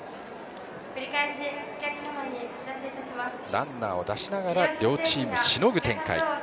ランナーを出しながら両チーム、しのぐ展開。